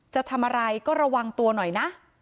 จะทำอะไรก็ระวังตัวหน่อยนะ